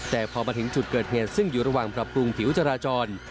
แต่พอมาถึงจุดเกิดเหตุซึ่งอยู่ระหว่างปรับปรุงผิวจราจร